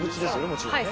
もちろんね。